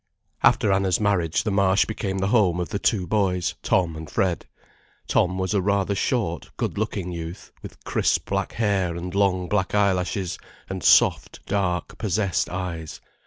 After Anna's marriage, the Marsh became the home of the two boys, Tom and Fred. Tom was a rather short, good looking youth, with crisp black hair and long black eyelashes and soft, dark, possessed eyes.